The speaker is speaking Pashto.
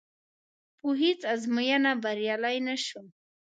په هېڅ ازموینه بریالی نه شو.